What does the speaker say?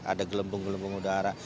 ada gelembung gelembung udara